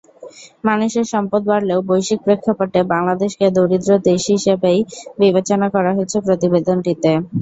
মানুষের সম্পদ বাড়লেও বৈশ্বিক প্রেক্ষাপটে বাংলাদেশকে দরিদ্র দেশ হিসেবেই বিবেচনা করা হয়েছে প্রতিবেদনটিতে।